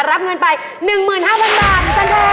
รับเงินไป๑๕๐๐๐บาทนะจ๊